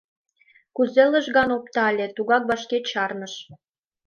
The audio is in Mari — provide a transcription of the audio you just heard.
Кузе лыжган оптале, тугак вашке чарныш.